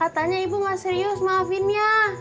katanya ibu masih serius maafinnya